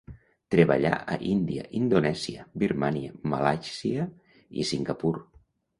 Treballà a Índia, Indonèsia, Birmània, Malàisia i Singapur.